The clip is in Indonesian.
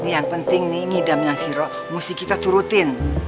yang penting nih ngidamnya si rob musik kita turutin